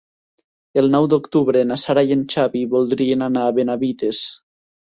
El nou d'octubre na Sara i en Xavi voldrien anar a Benavites.